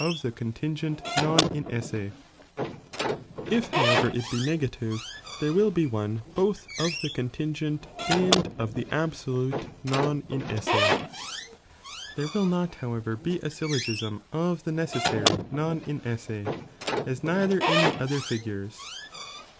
^ of the contingent non messe ; it however it be negative, there will be one both of the contingent and of the absolute non inesse. There will not however be a syllogism of the necessary non inesse, as neither in the other figures.